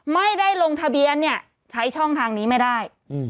ไม่ได้ลงทะเบียนเนี่ยใช้ช่องทางนี้ไม่ได้